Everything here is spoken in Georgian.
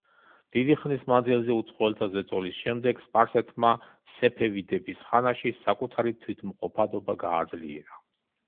დიდი ხნის მანძილზე უცხოელთა ზეწოლის შემდეგ სპარსეთმა, სეფევიდების ხანაში, საკუთარი თვითმყოფადობა გააძლიერა.